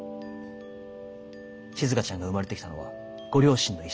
しずかちゃんが生まれてきたのはご両親の意志。